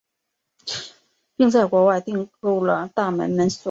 并在国外订购了大门门锁。